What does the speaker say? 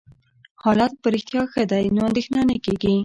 حالت په رښتیا ښه دی، نو اندېښنه نه کېږي.